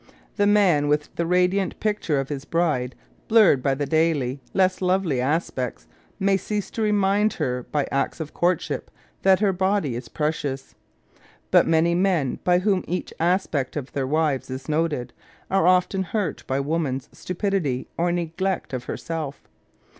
The man, with the radiant picture of his bride blurred by the daily less lovely aspects, may cease to remind her by acts of courtship that her body is precious. But many men by whom each aspect of their wives is noted, arc often hurt by woman's stupidity or neglect of herself.